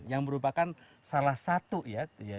yang merupakan salah satu ya